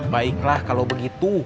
baiklah kalau begitu